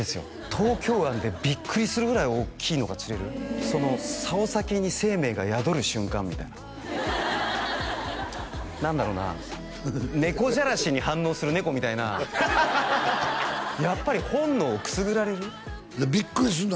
東京湾でビックリするぐらいおっきいのが釣れるその竿先に生命が宿る瞬間みたいな何だろうな猫じゃらしに反応する猫みたいなやっぱり本能をくすぐられるビックリするの？